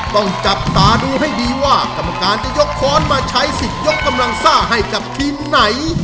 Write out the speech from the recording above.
ต้องจับตาดูให้ดีว่ากรรมการจะยกค้อนมาใช้สิทธิ์ยกกำลังซ่าให้กับทีมไหน